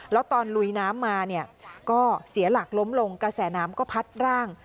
แล้วตอนลุยน้ำมาเนี่ยก็เสียหลักล้มลงกระแสน้ำก็พัดร่าง